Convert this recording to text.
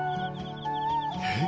え？